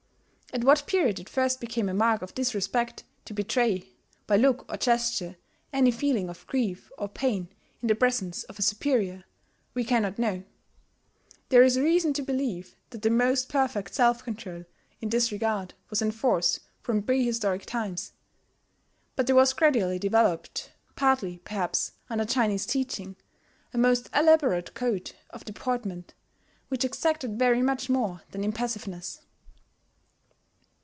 At what period it first became a mark of disrespect to betray, by look or gesture, any feeling of grief or pain in the presence of a superior, we cannot know; there is reason to believe that the most perfect self control in this regard was enforced from prehistoric times. But there was gradually developed partly, perhaps, under Chinese teaching a most elaborate code of deportment which exacted very much more than impassiveness.